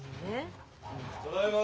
ただいま。